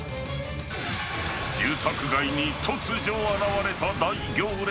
住宅街に突如現れた大行列。